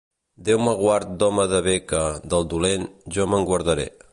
Déu me guard d'home de bé que, del dolent, jo me'n guardaré.